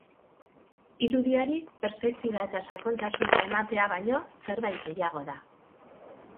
Irudiari perspektiba eta sakontasuna ematea baino zerbait gehiago da.